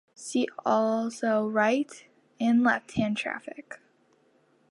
See also Right- and left-hand traffic.